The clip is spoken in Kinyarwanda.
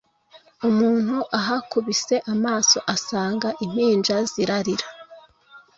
umuntu ahakubise amaso asanga impinja ziralira,